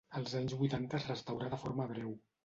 Als anys vuitanta es restaurà de forma breu.